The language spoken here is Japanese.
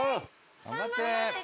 頑張って！